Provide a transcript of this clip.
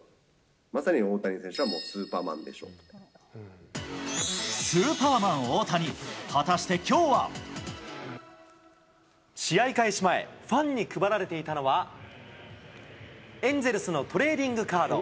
まさに大谷選手はスーパーマンでスーパーマン大谷、果たして試合開始前、ファンに配られていたのは、エンゼルスのトレーディングカード。